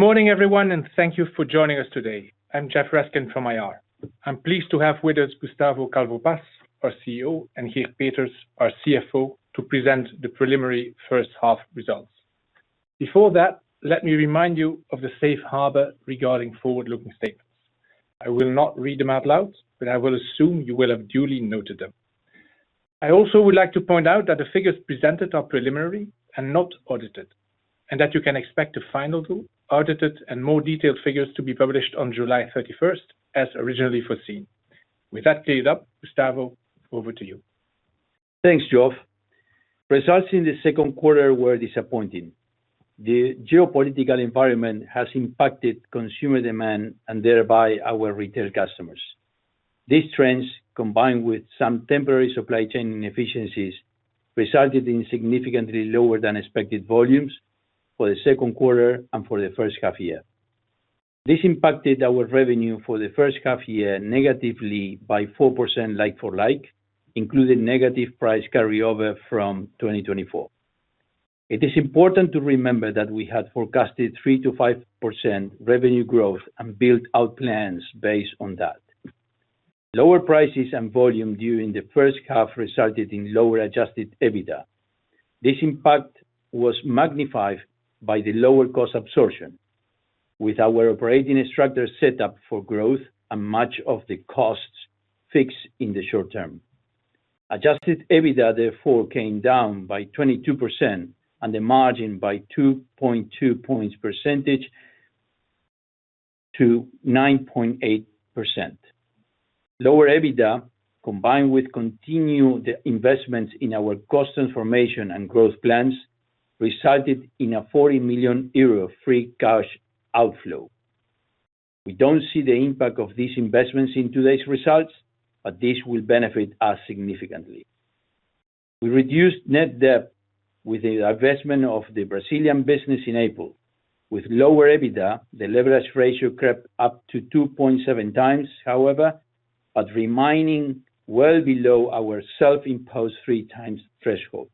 Good morning, everyone, and thank you for joining us today. I'm Geoff Raskin, from ir. I'm pleased to have with us Gustavo Calvo Paz, our CEO, and Geert Peeters, our CFO, to present the preliminary first-half results. Before that, let me remind you of the safe harbor regarding forward-looking statements. I will not read them out loud, but I will assume you will have duly noted them. I also would like to point out that the figures presented are preliminary and not audited, and that you can expect the final audited and more detailed figures to be published on July 31st, as originally foreseen. With that cleared up, Gustavo, over to you. Thanks, Geoff. Results in the second quarter were disappointing. The geopolitical environment has impacted consumer demand and thereby our retail customers. These trends, combined with some temporary supply chain inefficiencies, resulted in significantly lower than expected volumes for the second quarter and for the first half year. This impacted our revenue for the first half year negatively by 4% like-for-like, including negative price carryover from 2024. It is important to remember that we had forecasted 3%-5% revenue growth and built out plans based on that. Lower prices and volume during the first half resulted in lower adjusted EBITDA. This impact was magnified by the lower cost absorption, with our operating structure set up for growth and much of the costs fixed in the short term. Adjusted EBITDA, therefore, came down by 22% and the margin by 2.2 points percentage to 9.8%. Lower EBITDA combined with continued investments in our cost transformation and growth plans resulted in a 40 million euro free cash outflow. We don't see the impact of these investments in today's results, but this will benefit us significantly. We reduced net debt with the divestment of the Brazilian business in April. With lower EBITDA, the leverage ratio crept up to 2.7 times, however, remaining well below our self-imposed three times threshold.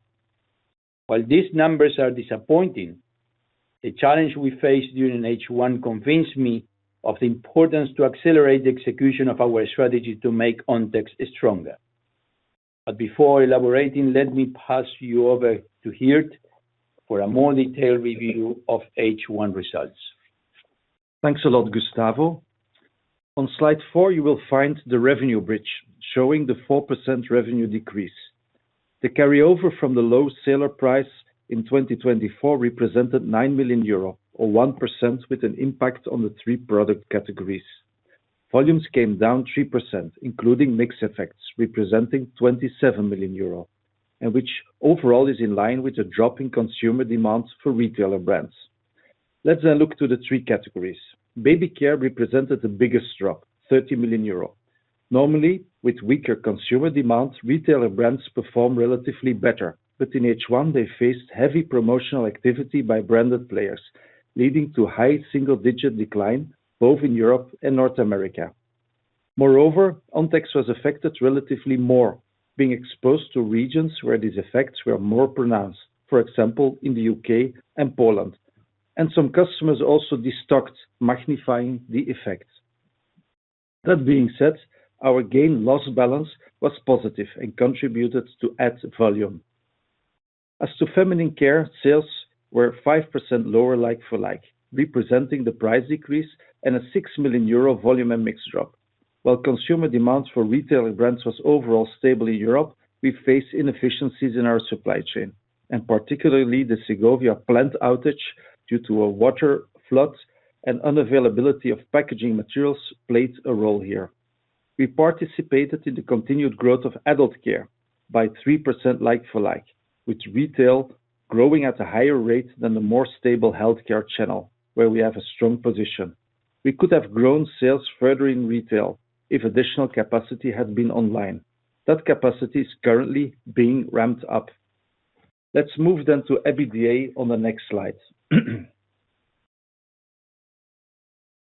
While these numbers are disappointing, the challenge we faced during H1 convinced me of the importance to accelerate the execution of our strategy to make Ontex stronger. Before elaborating, let me pass you over to Geert for a more detailed review of H1 results. Thanks a lot, Gustavo. On slide four, you will find the revenue bridge showing the 4% revenue decrease. The carryover from the low seller price in 2024 represented 9 million euro, or 1%, with an impact on the three product categories. Volumes came down 3%, including mixed effects representing 27 million euro, which overall is in line with a drop in consumer demand for retailer brands. Let's then look to the three categories. Baby care represented the biggest drop, 30 million euro. Normally, with weaker consumer demand, retailer brands perform relatively better. In H1, they faced heavy promotional activity by branded players, leading to high single-digit decline both in Europe and North America. Moreover, Ontex was affected relatively more, being exposed to regions where these effects were more pronounced, for example, in the UK and Poland. Some customers also destocked, magnifying the effects. That being said, our gain-loss balance was positive and contributed to add volume. As to feminine care, sales were 5% lower like-for-like, representing the price decrease and a 6 million euro volume and mix drop. While consumer demand for retail brands was overall stable in Europe, we faced inefficiencies in our supply chain, and particularly the Segovia plant outage due to a water flood and unavailability of packaging materials played a role here. We participated in the continued growth of adult care by 3% like-for-like, with retail growing at a higher rate than the more stable healthcare channel, where we have a strong position. We could have grown sales further in retail if additional capacity had been online. That capacity is currently being ramped up. Let's move then to EBITDA on the next slide.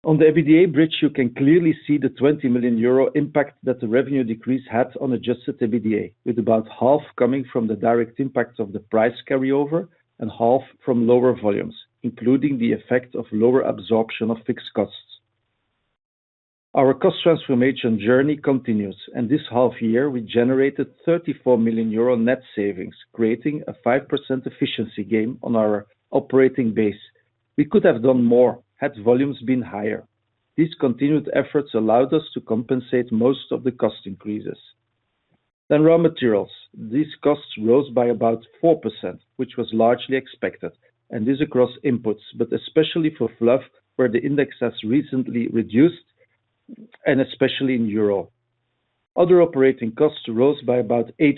On the EBITDA bridge, you can clearly see the 20 million euro impact that the revenue decrease had on adjusted EBITDA, with about half coming from the direct impact of the price carryover and half from lower volumes, including the effect of lower absorption of fixed costs. Our cost transformation journey continues, and this half year, we generated 34 million euro net savings, creating a 5% efficiency gain on our operating base. We could have done more had volumes been higher. These continued efforts allowed us to compensate most of the cost increases. Raw materials costs rose by about 4%, which was largely expected, and this is across inputs, but especially for fluff, where the index has recently reduced, and especially in Europe. Other operating costs rose by about 8%.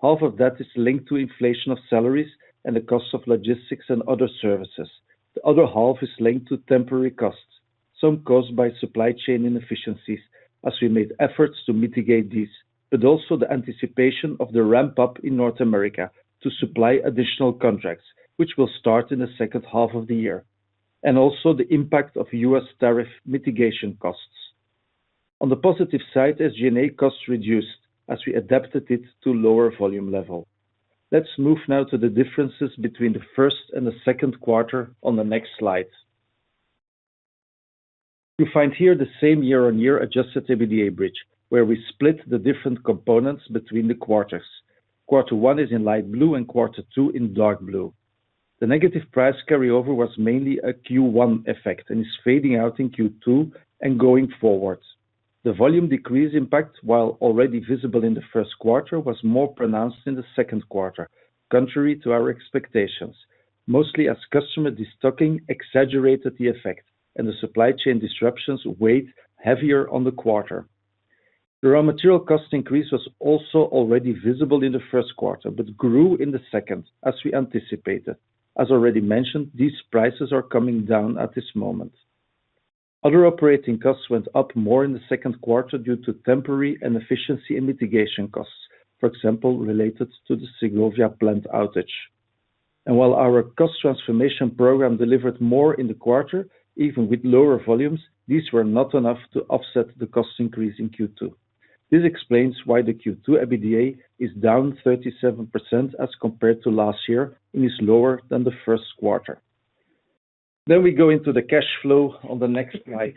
Half of that is linked to inflation of salaries and the cost of logistics and other services. The other half is linked to temporary costs, some caused by supply chain inefficiencies, as we made efforts to mitigate these, but also the anticipation of the ramp-up in North America to supply additional contracts, which will start in the second half of the year, and also the impact of U.S. tariff mitigation costs. On the positive side, SG&A costs reduced as we adapted it to a lower volume level. Let's move now to the differences between the first and the second quarter on the next slide. You find here the same year-on-year adjusted EBITDA bridge, where we split the different components between the quarters. Quarter one is in light blue, and quarter two in dark blue. The negative price carryover was mainly a Q1 effect and is fading out in Q2 and going forward. The volume decrease impact, while already visible in the first quarter, was more pronounced in the second quarter, contrary to our expectations, mostly as customer destocking exaggerated the effect, and the supply chain disruptions weighed heavier on the quarter. The raw material cost increase was also already visible in the first quarter but grew in the second, as we anticipated. As already mentioned, these prices are coming down at this moment. Other operating costs went up more in the second quarter due to temporary inefficiency and mitigation costs, for example, related to the Segovia plant outage. While our cost transformation program delivered more in the quarter, even with lower volumes, these were not enough to offset the cost increase in Q2. This explains why the Q2 EBITDA is down 37% as compared to last year and is lower than the first quarter. We go into the cash flow on the next slide.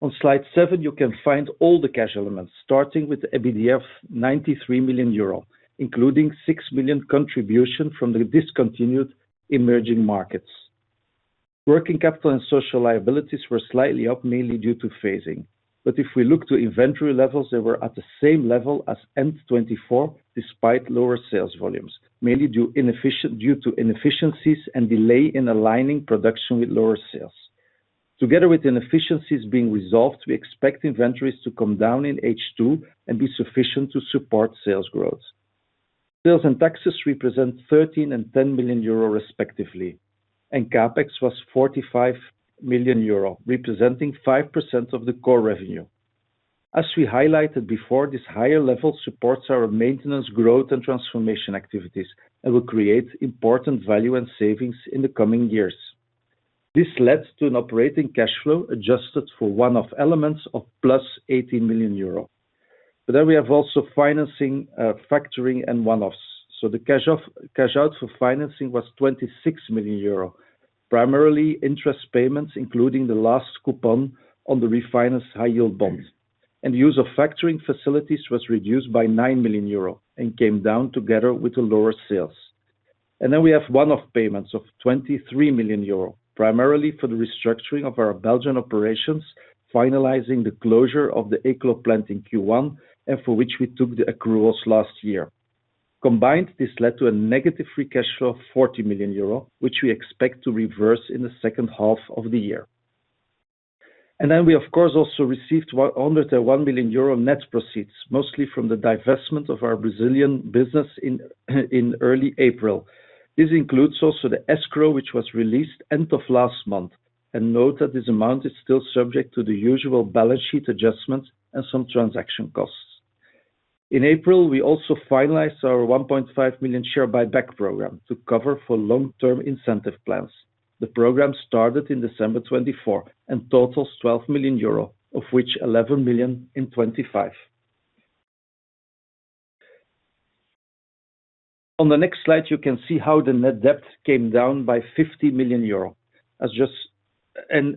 On slide seven, you can find all the cash elements, starting with the EBITDA of 93 million euro, including 6 million contribution from the discontinued emerging markets. Working capital and social liabilities were slightly up, mainly due to phasing. If we look to inventory levels, they were at the same level as end 2024, despite lower sales volumes, mainly due to inefficiencies and delay in aligning production with lower sales. Together with inefficiencies being resolved, we expect inventories to come down in H2 and be sufficient to support sales growth. Sales and taxes represent 13 million and 10 million euro, respectively. CapEx was 45 million euro, representing 5% of the core revenue. As we highlighted before, this higher level supports our maintenance, growth, and transformation activities and will create important value and savings in the coming years. This led to an operating cash flow adjusted for one-off elements of plus 18 million euro. We have also financing, factoring, and one-offs. The cash out for financing was 26 million euro, primarily interest payments, including the last coupon on the refinanced high-yield bonds. The use of factoring facilities was reduced by E UR 9 million and came down together with the lower sales. We have one-off payments of 23 million euro, primarily for the restructuring of our Belgian operations, finalizing the closure of the Eeklo plant in Q1, and for which we took the accruals last year. Combined, this led to a negative free cash flow of 40 million euro, which we expect to reverse in the second half of the year. We also received 101 million euro net proceeds, mostly from the divestment of our Brazilian business in early April. This includes also the escrow, which was released end of last month. Note that this amount is still subject to the usual balance sheet adjustment and some transaction costs. In April, we also finalized our 1.5 million share buyback program to cover for long-term incentive plans. The program started in December 2024 and totals 12 million euro, of which 11 million in 2025. On the next slide, you can see how the net debt came down by 50 million euro, and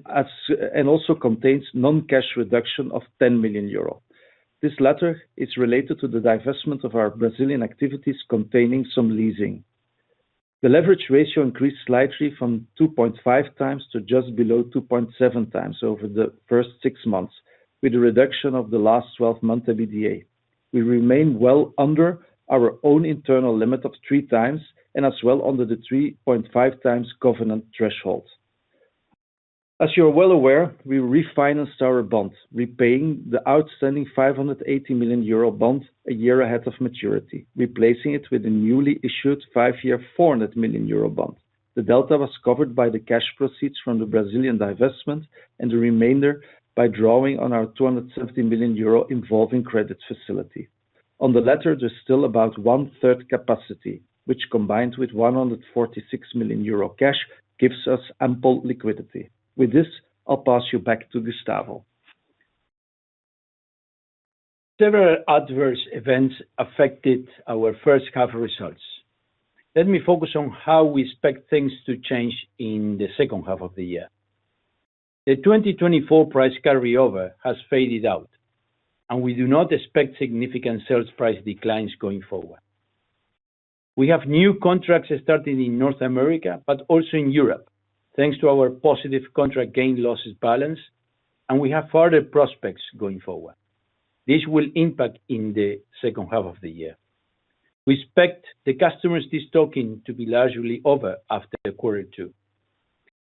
also contains non-cash reduction of 10 million euro. This latter is related to the divestment of our Brazilian activities containing some leasing. The leverage ratio increased slightly from 2.5 times to just below 2.7 times over the first six months, with a reduction of the last 12-month EBITDA. We remain well under our own internal limit of three times and as well under the 3.5 times covenant threshold. As you're well aware, we refinanced our bond, repaying the outstanding 580 million euro bond a year ahead of maturity, replacing it with a newly issued five-year 400 million euro bond. The delta was covered by the cash proceeds from the Brazilian divestment and the remainder by drawing on our 270 million euro revolving credit facility. On the latter, there's still about one-third capacity, which combined with 146 million euro cash gives us ample liquidity. With this, I'll pass you back to Gustavo. Several adverse events affected our first half results. Let me focus on how we expect things to change in the second half of the year. The 2024 price carryover has faded out, and we do not expect significant sales price declines going forward. We have new contracts starting in North America, but also in Europe, thanks to our positive contract gain-loss balance, and we have further prospects going forward. This will impact in the second half of the year. We expect the customer's destocking to be largely over after quarter two.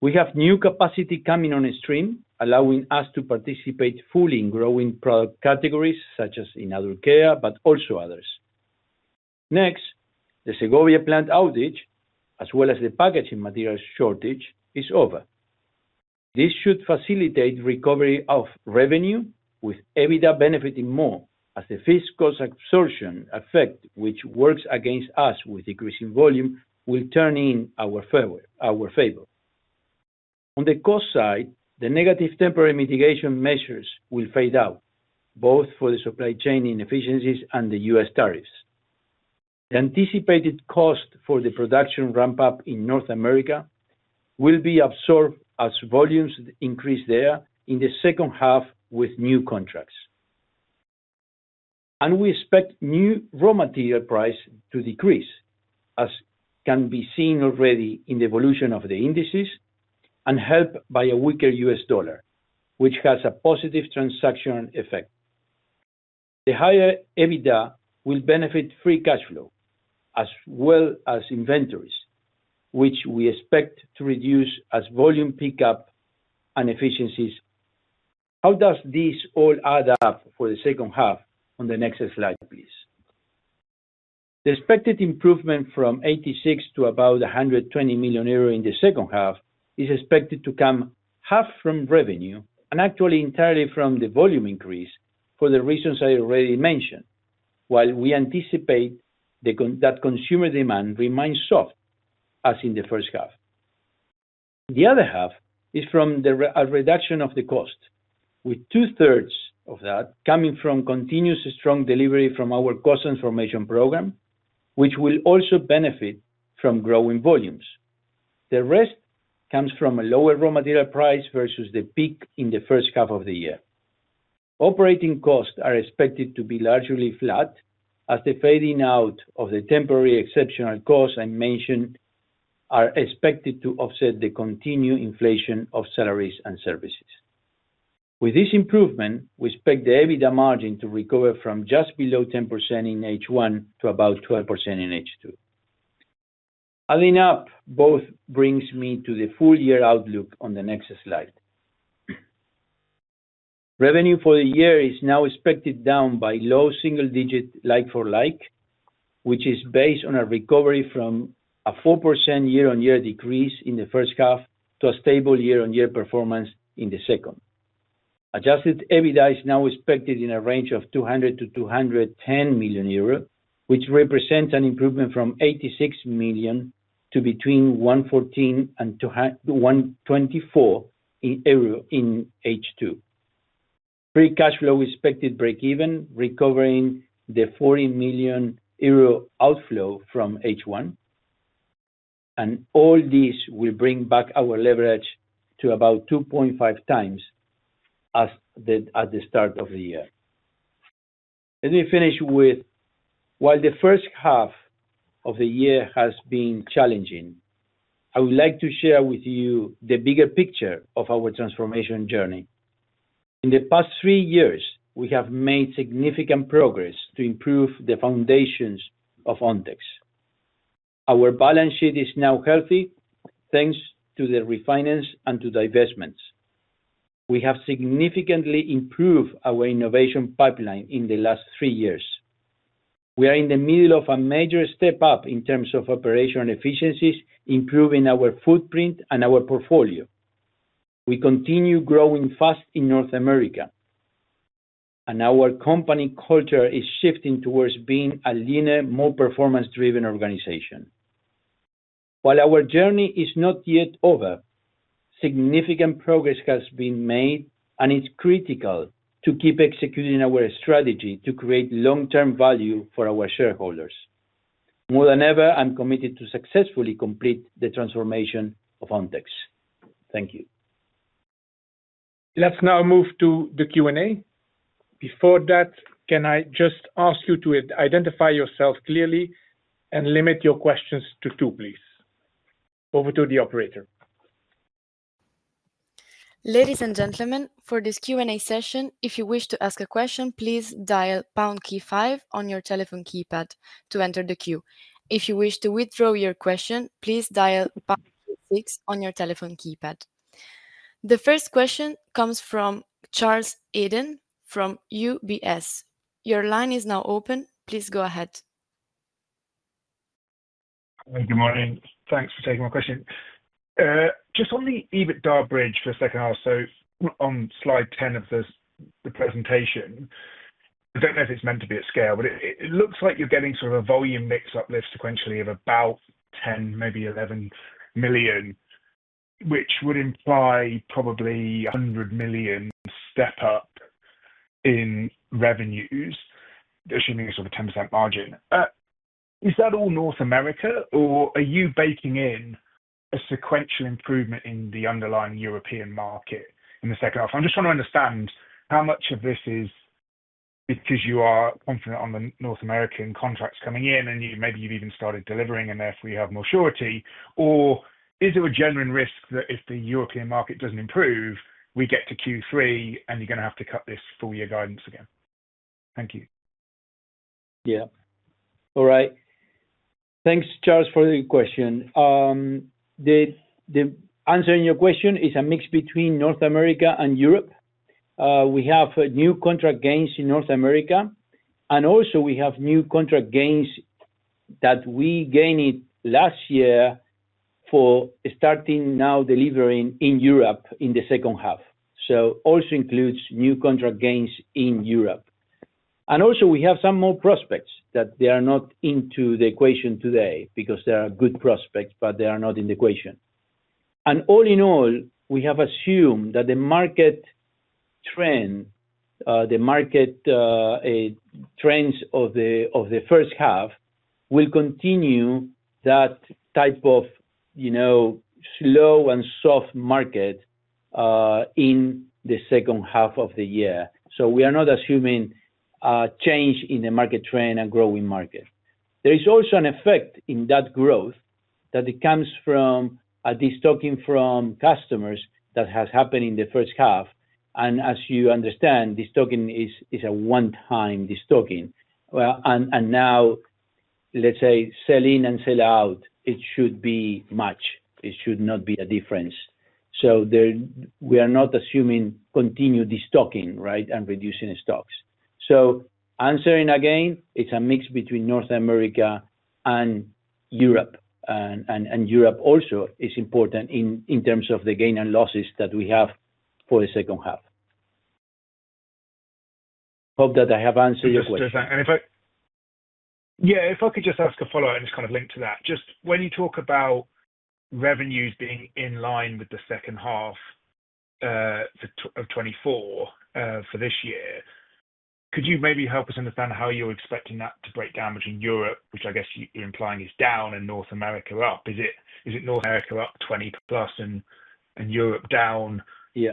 We have new capacity coming on stream, allowing us to participate fully in growing product categories, such as in adult care, but also others. Next, the Segovia plant outage, as well as the packaging materials shortage, is over. This should facilitate recovery of revenue, with EBITDA benefiting more, as the fixed cost absorption effect, which works against us with decreasing volume, will turn in our favor. On the cost side, the negative temporary mitigation measures will fade out, both for the supply chain inefficiencies and the U.S. tariffs. The anticipated cost for the production ramp-up in North America will be absorbed as volumes increase there in the second half with new contracts. We expect new raw material prices to decrease, as can be seen already in the evolution of the indices, and helped by a weaker U.S. dollar, which has a positive transaction effect. The higher EBITDA will benefit free cash flow, as well as inventories, which we expect to reduce as volume pick up and efficiencies. How does this all add up for the second half? On the next slide, please. The expected improvement from 86 million to about 120 million euros in the second half is expected to come half from revenue and actually entirely from the volume increase for the reasons I already mentioned, while we anticipate that consumer demand remains soft, as in the first half. The other half is from the reduction of the cost, with two-thirds of that coming from continuous strong delivery from our cost transformation program, which will also benefit from growing volumes. The rest comes from a lower raw material price versus the peak in the first half of the year. Operating costs are expected to be largely flat, as the fading out of the temporary exceptional costs I mentioned are expected to offset the continued inflation of salaries and services. With this improvement, we expect the EBITDA margin to recover from just below 10% in H1 to about 12% in H2. Adding up both brings me to the full year outlook on the next slide. Revenue for the year is now expected down by low single-digit like-for-like, which is based on a recovery from a 4% year-on-year decrease in the first half to a stable year-on-year performance in the second. Adjusted EBITDA is now expected in a range of 200 million-210 million euros, which represents an improvement from 86 million to between 114 million and 124 million euro in H2. Free cash flow is expected to break even, recovering the 40 million euro outflow from H1. All this will bring back our leverage to about 2.5 times as the start of the year. Let me finish with, while the first half of the year has been challenging, I would like to share with you the bigger picture of our transformation journey. In the past three years, we have made significant progress to improve the foundations of Ontex. Our balance sheet is now healthy, thanks to the refinance and to divestments. We have significantly improved our innovation pipeline in the last three years. We are in the middle of a major step up in terms of operational efficiencies, improving our footprint and our portfolio. We continue growing fast in North America, and our company culture is shifting towards being a leaner, more performance-driven organization. While our journey is not yet over, significant progress has been made, and it's critical to keep executing our strategy to create long-term value for our shareholders. More than ever, I'm committed to successfully complete the transformation of Ontex. Thank you. Let's now move to the Q&A. Before that, can I just ask you to identify yourself clearly and limit your questions to two, please. Over to the operator. Ladies and gentlemen, for this Q&A session, if you wish to ask a question, please dial pound key five on your telephone keypad to enter the queue. If you wish to withdraw your question, please dial pound key six on your telephone keypad. The first question comes from Charles Eden from UBS. Your line is now open. Please go ahead. Good morning. Thanks for taking my question. Just on the EBITDA bridge for the second half, on slide 10 of the presentation, I don't know if it's meant to be at scale, but it looks like you're getting sort of a volume mix uplift sequentially of about 10 million, maybe 11 million, which would imply probably a 100 million step up in revenues, assuming a sort of 10% margin. Is that all North America, or are you baking in a sequential improvement in the underlying European market in the second half? I'm just trying to understand how much of this is because you are confident on the North American contracts coming in, and maybe you've even started delivering, and therefore you have more surety, or is there a genuine risk that if the European market doesn't improve, we get to Q3, and you're going to have to cut this full-year guidance again? Thank you. All right. Thanks, Charles, for the question. The answer in your question is a mix between North America and Europe. We have new contract gains in North America, and also we have new contract gains that we gained last year for starting now delivering in Europe in the second half. This also includes new contract gains in Europe. We have some more prospects that are not into the equation today because they are good prospects, but they are not in the equation. All in all, we have assumed that the market trends of the first half will continue, that type of slow and soft market in the second half of the year. We are not assuming a change in the market trend and growing market. There is also an effect in that growth that comes from a destocking from customers that has happened in the first half. As you understand, destocking is a one-time destocking. Now, let's say sell in and sell out, it should be much. It should not be a difference. We are not assuming continued destocking, right, and reducing stocks. Answering again, it's a mix between North America and Europe. Europe also is important in terms of the gain and losses that we have for the second half. Hope that I have answered your question. If I could just ask a follow-up and just kind of link to that. When you talk about revenues being in line with the second half of 2024 for this year, could you maybe help us understand how you're expecting that to break down between Europe, which I guess you're implying is down, and North America up? Is it North America up 20% plus and Europe down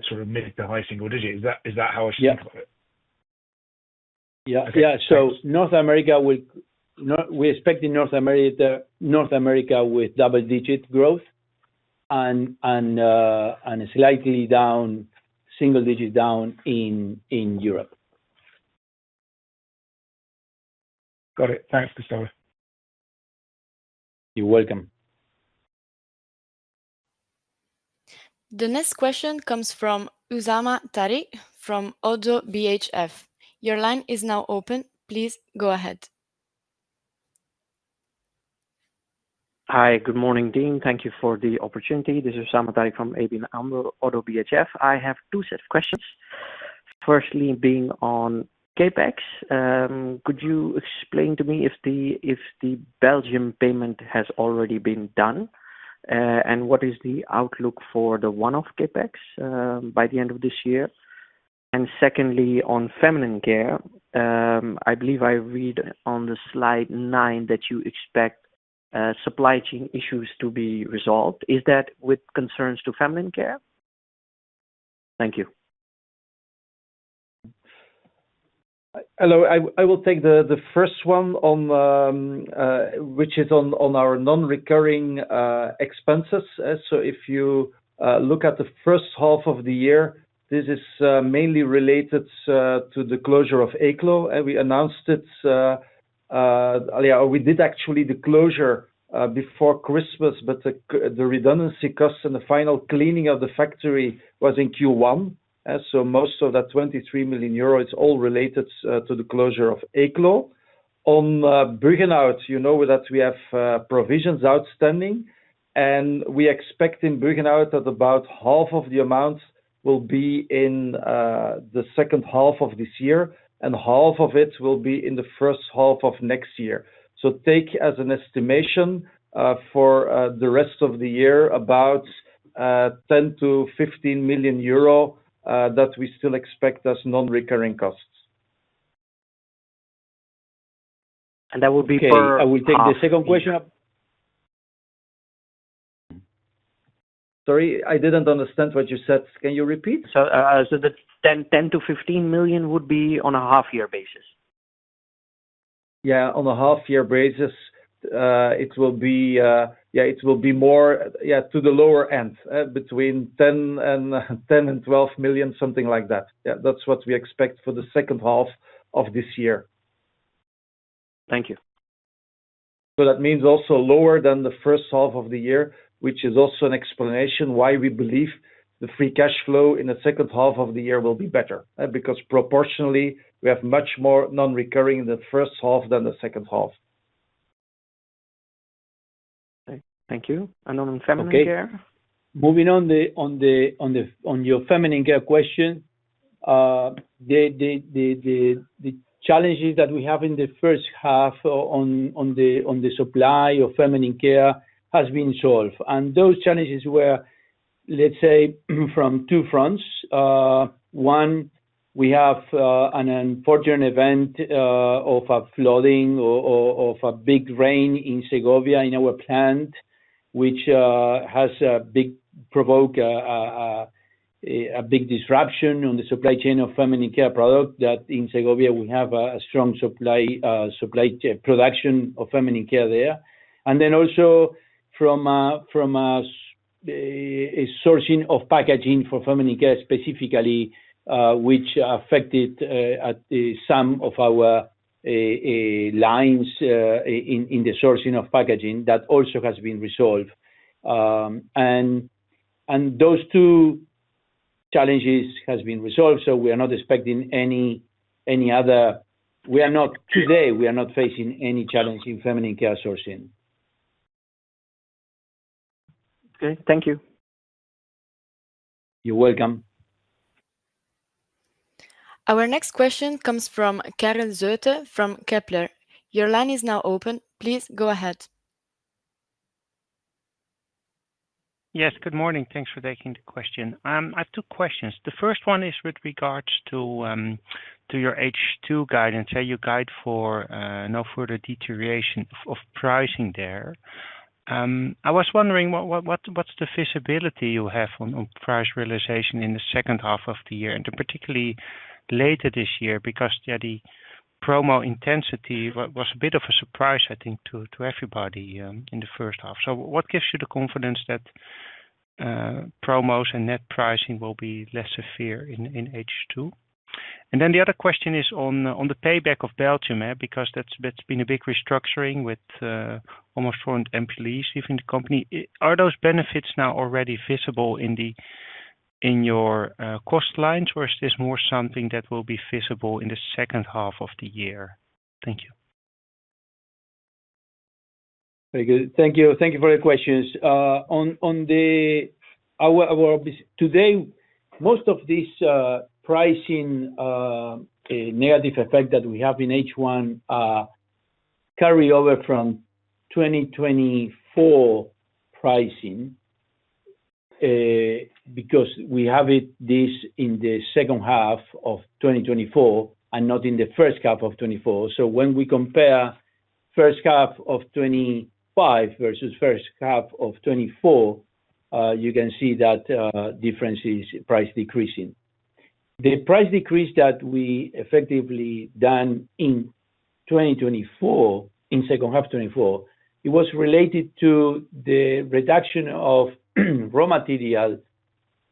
sort of mid to high single digit? Is that how I should think about it? Yeah. We expect in North America with double-digit growth and a slightly down single-digit down in Europe. Got it. Thanks, Gustavo. You're welcome. The next question comes from Usama Tariq from ODDO BHF. Your line is now open. Please go ahead. Hi. Good morning, Dean. Thank you for the opportunity. This is Usama Tariq from ABN AMRO, ODDO BHF. I have two sets of questions. Firstly, on CapEx, could you explain to me if the Belgium payment has already been done? What is the outlook for the one-off CapEx by the end of this year? Secondly, on feminine care, I believe I read on slide nine that you expect supply chain issues to be resolved. Is that with concerns to feminine care? Thank you. Hello. I will take the first one on, which is on our non-recurring expenses. If you look at the first half of the year, this is mainly related to the closure of Eeklo. We announced it, or we did actually the closure before Christmas, but the redundancy costs and the final cleaning of the factory was in Q1. Most of that 23 million euro, it's all related to the closure of Eeklo. On Buggenhout, you know that we have provisions outstanding, and we expect in Buggenhout that about 1/2 of the amount will be in the second half of this year, and half of it will be in the first half of next year. Take as an estimation for the rest of the yearabout 10 million-15 million euro that we still expect as non-recurring costs. I will take the second question. Sorry, I didn't understand what you said. Can you repeat? I said that 10 million-15 million would be on a half-year basis. On a half-year basis, it will be more to the lower end, between 10 million and 12 million, something like that. That's what we expect for the second half of this year. Thank you. That means also lower than the first half of the year, which is also an explanation why we believe the free cash flow in the second half of the year will be better, because proportionally, we have much more non-recurring in the first half than the second half. Thank you. On feminine care? Moving on, on your feminine care question, the challenges that we have in the first half on the supply of feminine care have been solved. Those challenges were, let's say, from two fronts. One, we have an unfortunate event of a flooding or of a big rain in Segovia in our plant, which has provoked a big disruption on the supply chain of feminine care products. In Segovia, we have a strong supply production of feminine care there. Also, from a sourcing of packaging for feminine care specifically, which affected some of our lines in the sourcing of packaging, that also has been resolved. Those two challenges have been resolved. We are not expecting any other, we are not today, we are not facing any challenge in feminine care sourcing. Okay. Thank you. You're welcome. Our next question comes from Karel Zoete from Kepler. Your line is now open. Please go ahead. Yes. Good morning. Thanks for taking the question. I have two questions. The first one is with regards to your H2 guidance, your guide for no further deterioration of pricing there. I was wondering, what's the visibility you have on price realization in the second half of the year, and particularly later this year, because the promo intensity was a bit of a surprise, I think, to everybody in the first half. What gives you the confidence that promos and net pricing will be less severe in H2? The other question is on the payback of Belgium, because that's been a big restructuring with on the front employees leaving the company. Are those benefits now already visible in your cost lines, or is this more something that will be visible in the second half of the year? Thank you. Very good. Thank you. Thank you for your questions. Today, most of this pricing negative effect that we have in H1 carry over from 2024 pricing because we have it this in the second half of 2024 and not in the first half of 2024. When we compare the first half of 2025 versus the first half of 2024, you can see that difference is price decreasing. The price decrease that we effectively done in 2024, in the second half of 2024, it was related to the reduction of raw material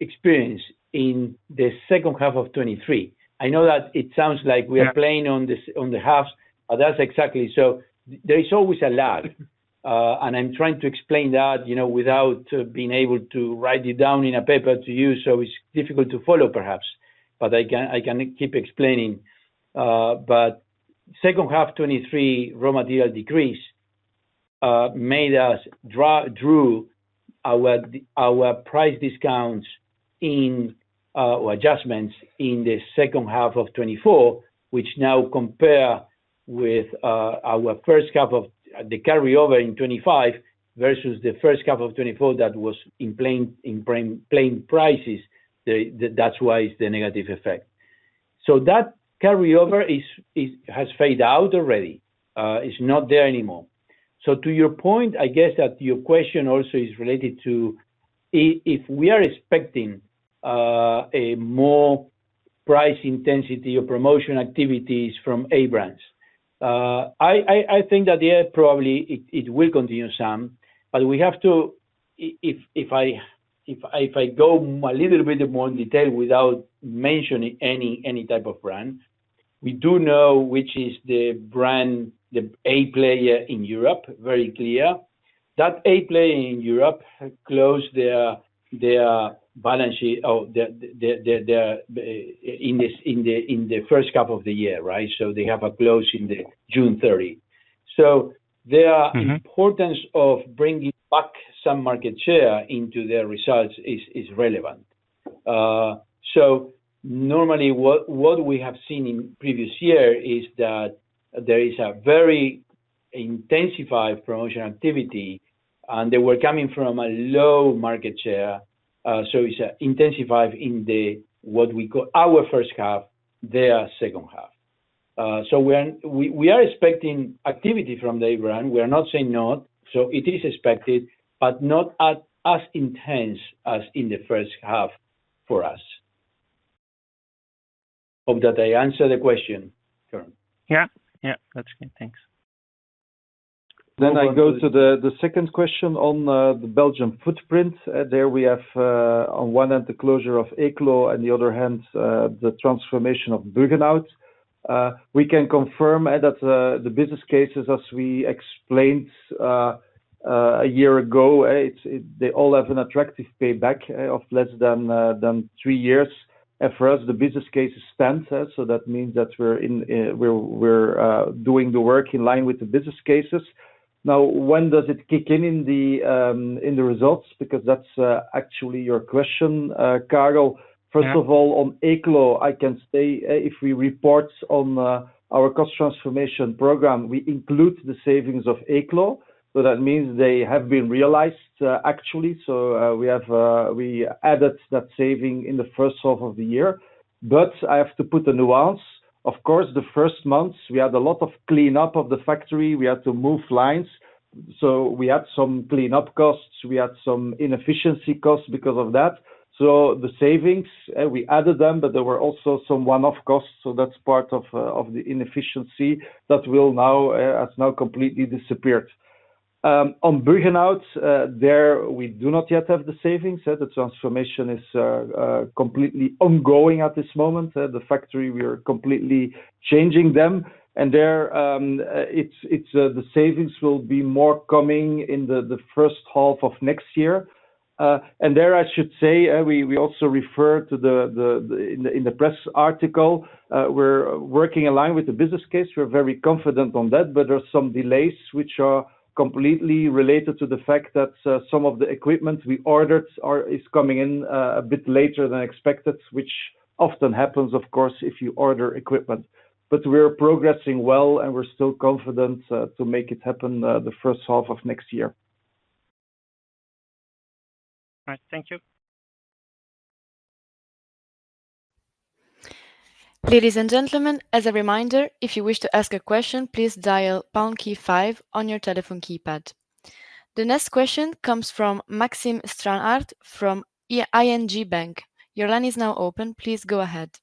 experience in the second half of 2023. I know that it sounds like we are playing on the halves, but that's exactly so. There is always a lag. I'm trying to explain that, you know, without being able to write it down in a paper to you, so it's difficult to follow, perhaps. I can keep explaining. Second half 2023, raw material decrease made us draw our price discounts or adjustments in the second half of 2024, which now compare with our first half of the carryover in 2025 versus the first half of 2024 that was in plain prices. That's why it's the negative effect. That carryover has faded out already. It's not there anymore. To your point, I guess that your question also is related to if we are expecting more price intensity or promotion activities from A brands. I think that, yeah, probably it will continue some, but we have to, if I go a little bit more in detail without mentioning any type of brand, we do know which is the brand, the A player in Europe, very clear. That A player in Europe closed their balance sheet in the first half of the year, right? They have a close in June 30. The importance of bringing back some market share into their results is relevant. Normally, what we have seen in the previous year is that there is a very intensified promotion activity, and they were coming from a low market share. It's intensified in what we call our first half, their second half. We are expecting activity from the A brand. We are not saying not. It is expected, but not as intense as in the first half for us. Hope that I answered the question, Karel. Yeah, that's great. Thanks. I go to the second question on the Belgium footprint. There we have, on one hand, the closure of Eeklo, and on the other hand, the transformation of Buggenhout. We can confirm that the business cases, as we explained a year ago, all have an attractive payback of less than three years. For us, the business cases stand. That means that we're doing the work in line with the business cases. Now, when does it kick in in the results? Because that's actually your question, Karel. First of all, on Eeklo, I can say if we report on our cost transformation program, we include the savings of Eeklo. That means they have been realized, actually. We added that saving in the first half of the year. I have to put a nuance. Of course, the first months, we had a lot of cleanup of the factory. We had to move lines. We had some cleanup costs. We had some inefficiency costs because of that. The savings, we added them, but there were also some one-off costs. That's part of the inefficiency that has now completely disappeared. On Buggenhout, we do not yet have the savings. The transformation is completely ongoing at this moment. The factory, we are completely changing them. The savings will be more coming in the first half of next year. I should say, we also refer to the press article, we're working in line with the business case. We're very confident on that, but there are some delays, which are completely related to the fact that some of the equipment we ordered is coming in a bit later than expected, which often happens, of course, if you order equipment. We're progressing well, and we're still confident to make it happen the first half of next year. All right. Thank you. Ladies and gentlemen, as a reminder, if you wish to ask a question, please dial the pound key five on your telephone keypad. The next question comes from Maxime Stranart from ING Bank. Your line is now open. Please go ahead.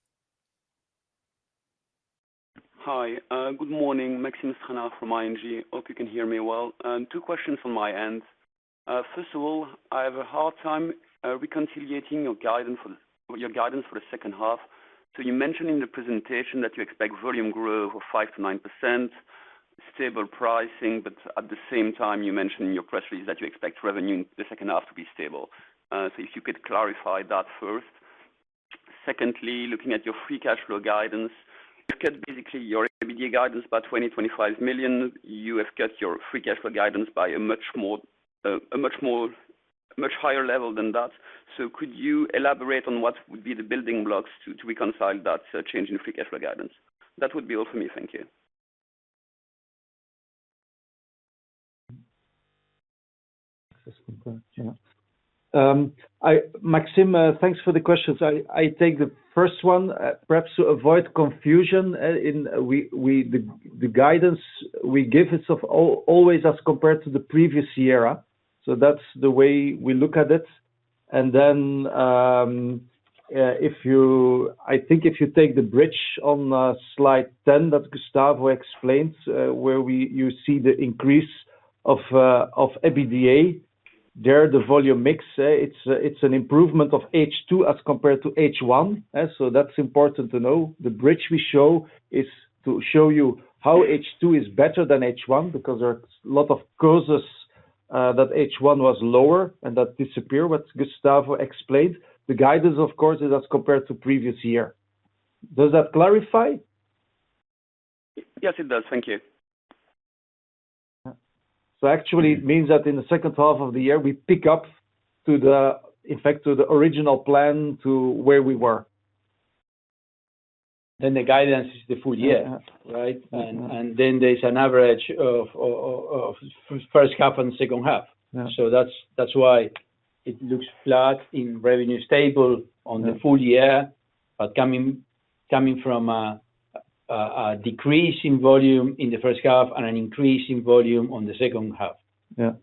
Hi. Good morning. Maxime Stranart from ING. Hope you can hear me well. Two questions on my end. First of all, I have a hard time reconciling your guidance for the second half. You mentioned in the presentation that you expect volume growth of 5%-9%, stable pricing, but at the same time, you mentioned in your press release that you expect revenue in the second half to be stable. If you could clarify that first. Secondly, looking at your free cash flow guidance, to get basically your EBITDA guidance by 25 million, you have cut your free cash flow guidance by a much higher level than that. Could you elaborate on what would be the building blocks to reconcile that change in free cash flow guidance? That would be all for me. Thank you. Excellent question. Maxime, thanks for the question. I take the first one, perhaps to avoid confusion. The guidance we give is always as compared to the previous year. That's the way we look at it. If you take the bridge on slide 10 that Gustavo explained, where you see the increase of EBITDA, the volume mix, it's an improvement of H2 as compared to H1. That's important to know. The bridge we show is to show you how H2 is better than H1 because there are a lot of causes that H1 was lower and that disappeared, what Gustavo explained. The guidance, of course, is as compared to the previous year. Does that clarify? Yes, it does. Thank you. It means that in the second half of the year, we pick up to the effect of the original plan to where we were. The guidance is the full year, right? There's an average of the first half and the second half. That's why it looks flat in revenue, stable on the full year, but coming from a decrease in volume in the first half and an increase in volume on the second half. Yeah.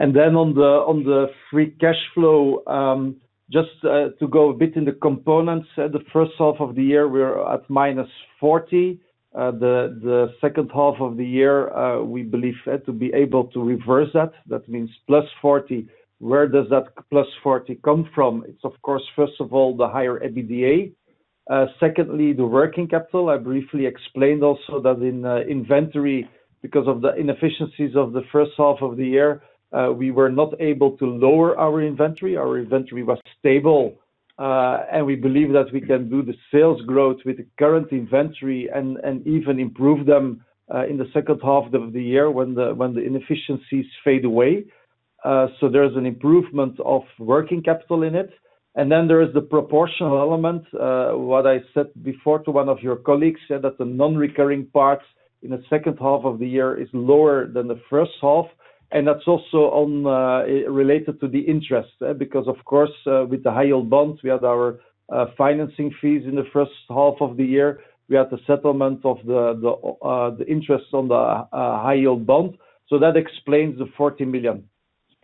On the free cash flow, just to go a bit in the components, the first half of the year, we're at minus 40 million. The second half of the year, we believe to be able to reverse that. That means plus 40 million. Where does that plus 40 million come from? It's, of course, first of all, the higher EBITDA. Secondly, the working capital. I briefly explained also that in inventory, because of the inefficiencies of the first half of the year, we were not able to lower our inventory. Our inventory was stable. We believe that we can do the sales growth with the current inventory and even improve them in the second half of the year when the inefficiencies fade away. There is an improvement of working capital in it. There is the proportional element, what I said before to one of your colleagues, that the non-recurring part in the second half of the year is lower than the first half. That's also related to the interest because, of course, with the high-yield bonds, we had our financing fees in the first half of the year. We had the settlement of the interests on the high-yield bond. That explains the 40 million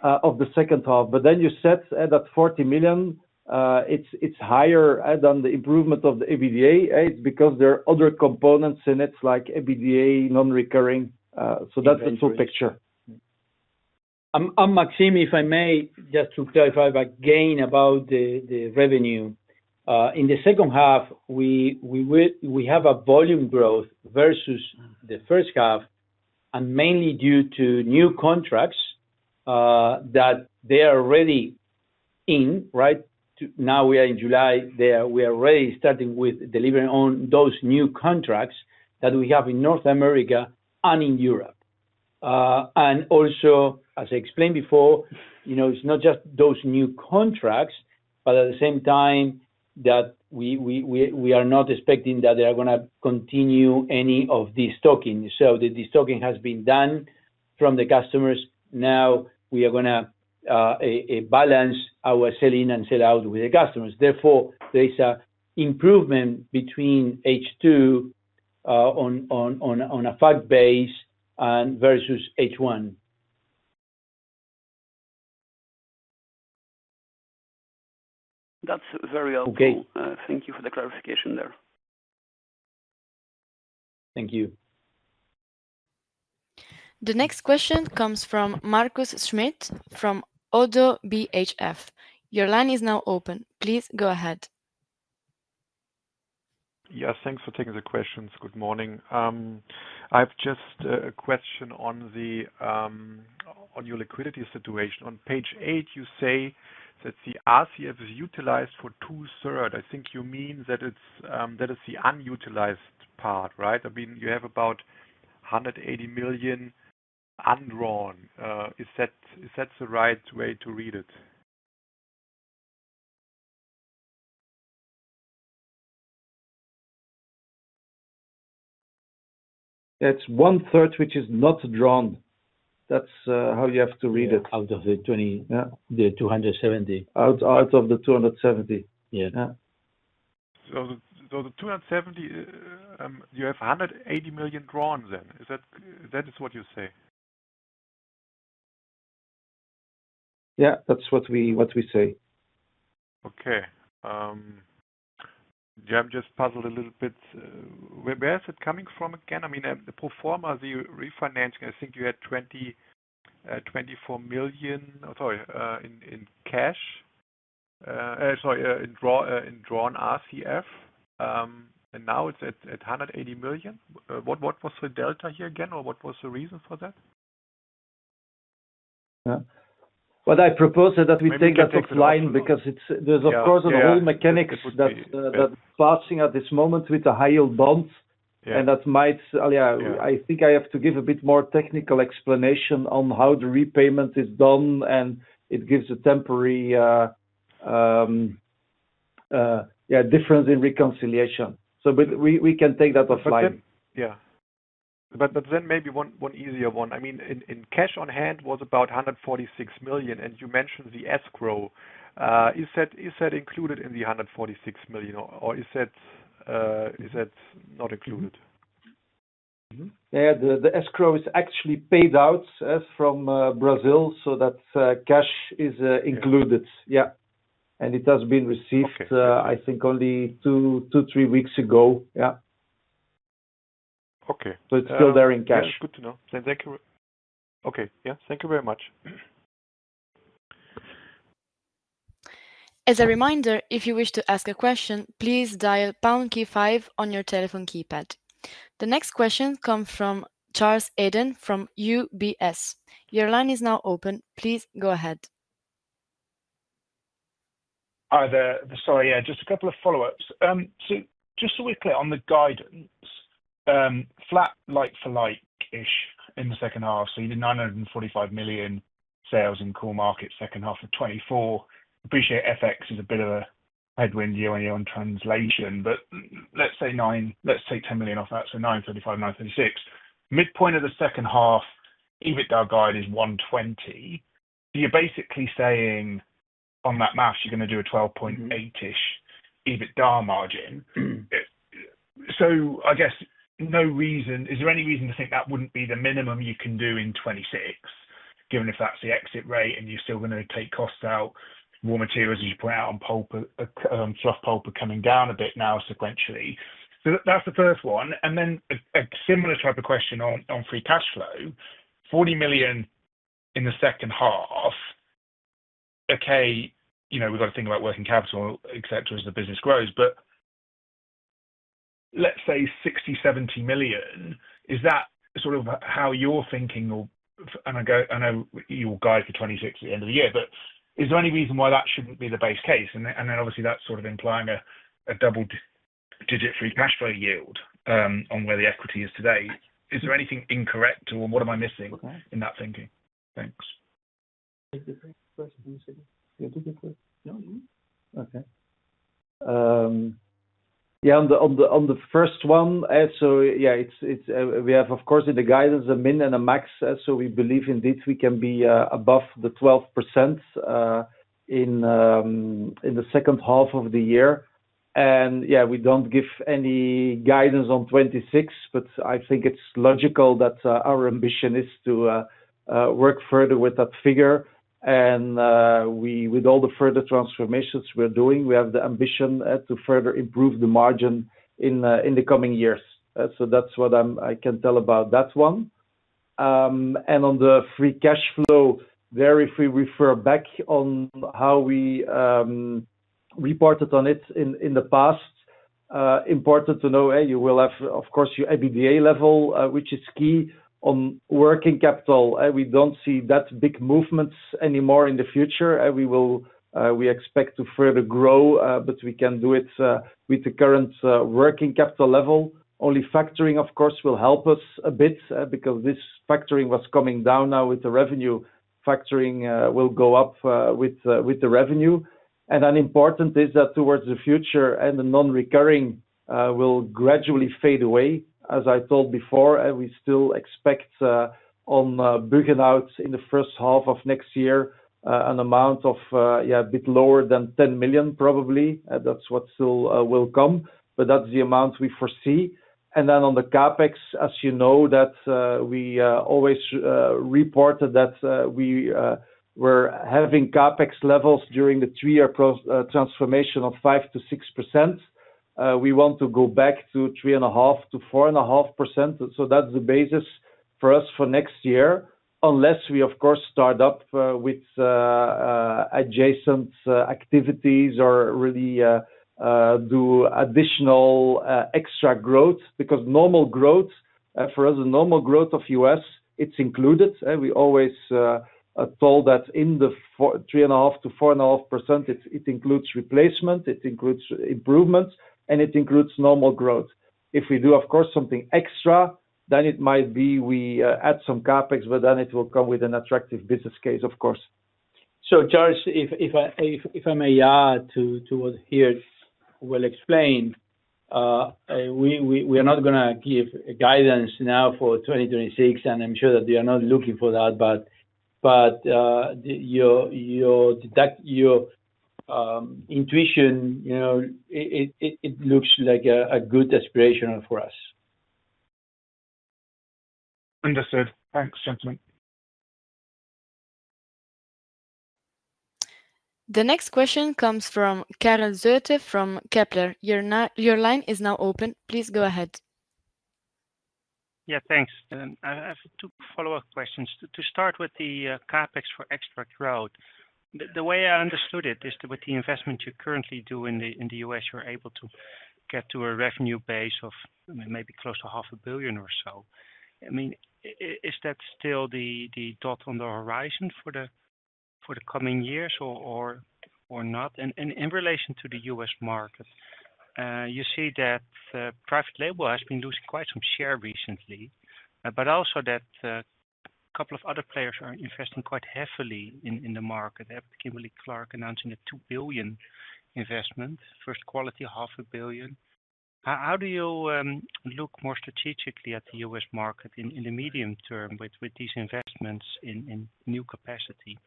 of the second half. You said that 40 million, it's higher than the improvement of the EBITDA because there are other components in it, like EBITDA non-recurring. That's the full picture. I'm Maxime, if I may, just to clarify again about the revenue. In the second half, we have a volume growth versus the first half, mainly due to new contracts that are already in, right? Now we are in July. We are already starting with delivering on those new contracts that we have in North America and in Europe. Also, as I explained before, you know, it's not just those new contracts, but at the same time we are not expecting that they are going to continue any of the destocking. The destocking has been done from the customers. Now we are going to balance our sell in and sell out with the customers. Therefore, there is an improvement between H2 on a fact base versus H1. That's very helpful. Thank you for the clarification there. Thank you. The next question comes from Markus Schmidt from ODDO BHF. Your line is now open. Please go ahead. Yes. Thanks for taking the questions. Good morning. I have just a question on your liquidity situation. On page eight, you say that the RCF is utilized for two-thirds. I think you mean that it's the unutilized part, right? I mean, you have about 180 million undrawn. Is that the right way to read it? That's one-third, which is not drawn. That's how you have to read it. Out of the 270? Out of the 270. Yeah, the 270, you have 180 million drawn then. Is that what you say? Yeah, that's what we say. Okay. I'm just puzzled a little bit. Where is it coming from again? I mean, the pro forma refinancing, I think you had 24 million, sorry, in cash, sorry, in drawn RCF. Now it's at 180 million. What was the delta here again, or what was the reason for that? What I propose is that we take that offline because there's, of course, a whole mechanics that's passing at this moment with the high-yield bonds. I think I have to give a bit more technical explanation on how the repayment is done, and it gives a temporary difference in reconciliation. We can take that offline. Maybe one easier one. I mean, in cash on hand was about 146 million, and you mentioned the escrow. Is that included in the 146 million, or is that not included? The escrow is actually paid out from Brazil, so that cash is included. It has been received, I think, only two, three weeks ago. Okay. It is still there in cash. Good to know. Okay. Thank you very much. As a reminder, if you wish to ask a question, please dial pound key five on your telephone keypad. The next question comes from Charles Eden from UBS. Your line is now open. Please go ahead. Sorry, yeah, just a couple of follow-ups. Just so we're clear on the guidance, flat, like-for-like-ish in the second half. You did 945 million sales in core markets second half of 2024. I appreciate FX is a bit of a headwind year on year on translation, but let's say, let's take 10 million off that. So 935, 936. Midpoint of the second half, EBITDA guide is 120 million. You're basically saying on that math, you're going to do a 12.8% ish EBITDA margin. I guess, is there any reason to think that wouldn't be the minimum you can do in 2026, given if that's the exit rate and you're still going to take costs out, raw materials that you put out on pulp stuff, pulp are coming down a bit now sequentially. That's the first one. A similar type of question on free cash flow, 40 million in the second half. Okay, you know, we've got to think about working capital, etc., as the business grows. Let's say 60 million-70 million. Is that sort of how you're thinking? I know you'll guide for 2026 at the end of the year, but is there any reason why that shouldn't be the base case? Obviously, that's sort of implying a double-digit free cash flow yield on where the equity is today. Is there anything incorrect or what am I missing in that thinking? Thanks. Did you say? No. Okay. Yeah, on the first one, we have, of course, in the guidance, a min and a max. We believe indeed we can be above the 12% in the second half of the year. We don't give any guidance on 2026, but I think it's logical that our ambition is to work further with that figure. With all the further transformations we're doing, we have the ambition to further improve the margin in the coming years. That's what I can tell about that one. On the free cash flow, I refer back on how we reported on it in the past. Important to know, you will have, of course, your EBITDA level, which is key. On working capital, we don't see that big movements anymore in the future. We expect to further grow, but we can do it with the current working capital level. Only factoring, of course, will help us a bit because this factoring was coming down now with the revenue. Factoring will go up with the revenue. Important is that towards the future, the non-recurring will gradually fade away. As I told before, we still expect on Buggenhout in the first half of next year an amount of, yeah, a bit lower than 10 million, probably. That's what still will come. That's the amount we foresee. On the CapEx, as you know, we always reported that we were having CapEx levels during the three-year transformation of 5%-6%. We want to go back to 3.5%-4.5%. That's the basis for us for next year, unless we, of course, start up with adjacent activities or really do additional extra growth. Because normal growth for us, the normal growth of us, it's included. We always are told that in the 3.5%-4.5%, it includes replacement, it includes improvements, and it includes normal growth. If we do, of course, something extra, then it might be we add some CapEx, but then it will come with an attractive business case, of course. Charles, if I may add to what Geert well explained, we are not going to give a guidance now for 2026, and I'm sure that you are not looking for that. Your intuition, you know, it looks like a good aspiration for us. Understood. Thanks, gentlemen. The next question comes from Karel Zoete from Kepler. Your line is now open. Please go ahead. Yeah, thanks. I have two follow-up questions. To start with the CapEx for extra growth, the way I understood it is that with the investment you currently do in the U.S., you're able to get to a revenue base of maybe close to half a billion or so. I mean, is that still the dot on the horizon for the coming years or not? In relation to the U.S. market, you see that private label has been losing quite some share recently, but also that a couple of other players are investing quite heavily in the market. Kimberly-Clark announcing a 2 billion investment, First Quality 500 million. How do you look more strategically at the U.S. market in the medium term with these investments in new capacity?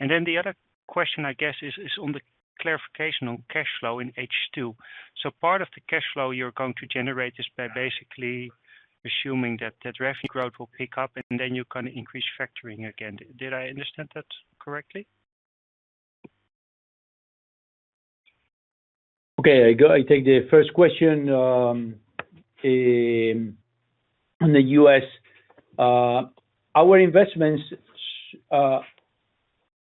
The other question, I guess, is on the clarification on cash flow in H2. Part of the cash flow you're going to generate is by basically assuming that that revenue growth will pick up, and then you're going to increase factoring again. Did I understand that correctly? Okay. I take the first question. In the U.S., our investments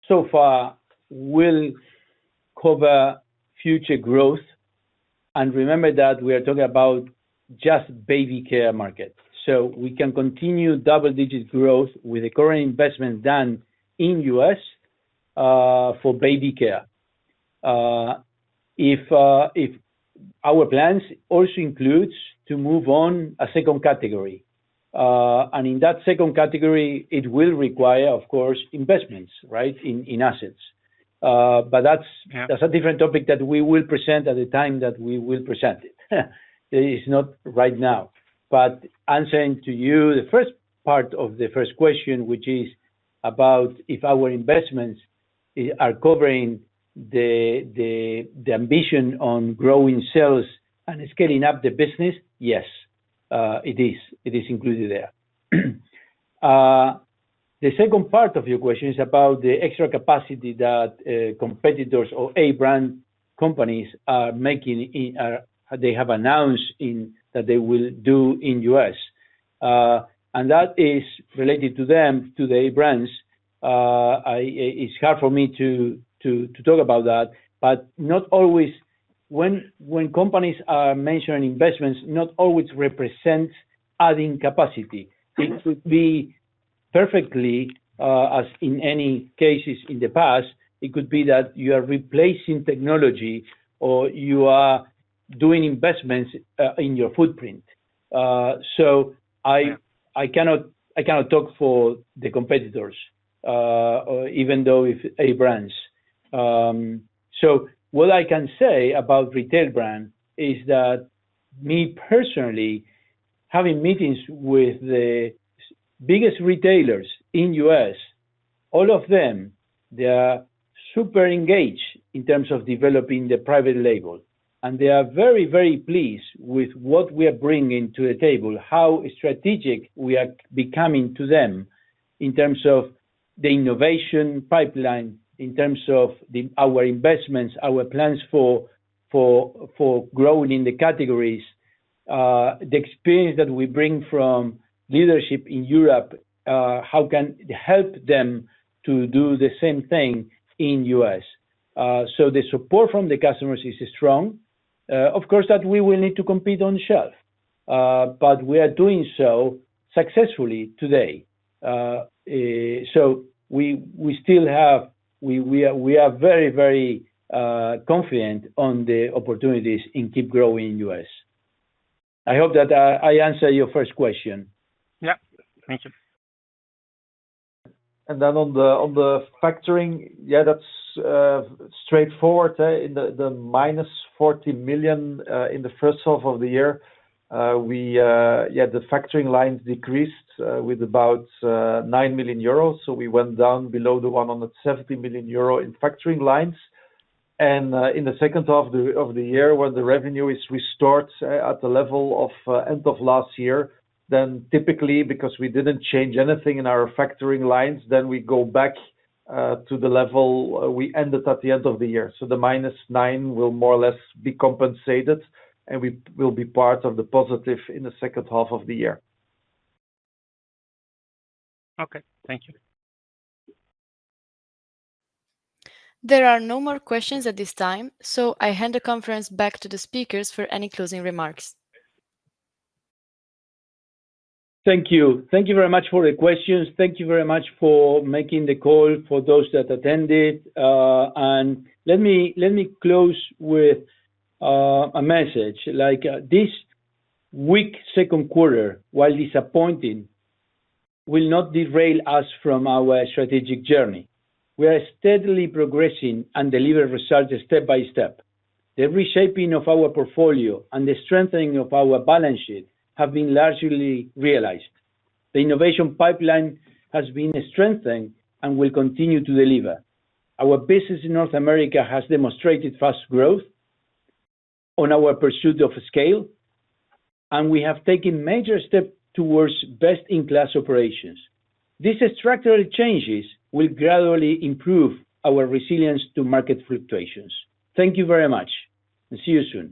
so far will cover future growth. Remember that we are talking about just the baby care market. We can continue double-digit growth with the current investment done in the U.S. for baby care. If our plans also include to move on a second category, in that second category, it will require, of course, investments, right, in assets. That's a different topic that we will present at the time that we will present it. It's not right now. Answering to you, the first part of the first question, which is about if our investments are covering the ambition on growing sales and scaling up the business, yes, it is. It is included there. The second part of your question is about the extra capacity that competitors or A brand companies are making. They have announced that they will do in the U.S., and that is related to them, to the A brands. It's hard for me to talk about that. Not always, when companies are mentioning investments, does it represent adding capacity. It could be perfectly, as in many cases in the past, that you are replacing technology or you are doing investments in your footprint. I cannot talk for the competitors, even though if A brands. What I can say about retail brands is that me personally, having meetings with the biggest retailers in the U.S., all of them, they are super engaged in terms of developing the private label. They are very, very pleased with what we are bringing to the table, how strategic we are becoming to them in terms of the innovation pipeline, in terms of our investments, our plans for growing in the categories, the experience that we bring from leadership in Europe, how can it help them to do the same thing in the U.S.? The support from the customers is strong. Of course, we will need to compete on the shelf. We are doing so successfully today. We are very, very confident on the opportunities in keep growing in the U.S. I hope that I answered your first question. Thank you. On the factoring, yeah, that's straightforward. In the minus 40 million in the first half of the year, the factoring lines decreased with about 9 million euros. We went down below the 170 million euro in factoring lines. In the second half of the year, when the revenue is restored at the level of end of last year, typically, because we didn't change anything in our factoring lines, we go back to the level we ended at the end of the year. The minus 9 million will more or less be compensated, and we will be part of the positive in the second half of the year. Okay. Thank you. There are no more questions at this time. I hand the conference back to the speakers for any closing remarks. Thank you. Thank you very much for the questions. Thank you very much for making the call for those that attended. Let me close with a message. This weak second quarter, while disappointing, will not derail us from our strategic journey. We are steadily progressing and delivering results step by step. The reshaping of our portfolio and the strengthening of our balance sheet have been largely realized. The innovation pipeline has been strengthened and will continue to deliver. Our business in North America has demonstrated fast growth on our pursuit of scale, and we have taken major steps towards best-in-class operations. These structural changes will gradually improve our resilience to market fluctuations. Thank you very much, and see you soon.